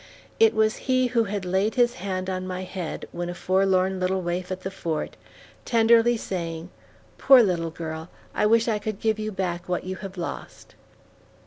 It was he who had laid his hand on my head, when a forlorn little waif at the Fort, tenderly saying, "Poor little girl, I wish I could give back what you have lost!"